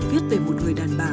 viết về một người đàn bà